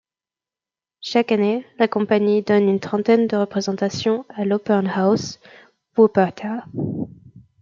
Chaque année la compagnie donne une trentaine de représentations à l'Opernhaus Wuppertal.